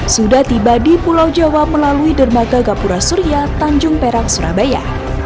sudah tiba di pulau jawa melalui dermaga gapura surya tanjung perak surabaya